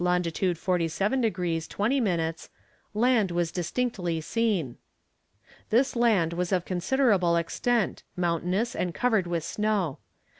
long. 47 degrees 20 minutes land was distinctly seen." This land was of considerable extent, mountainous and covered with snow.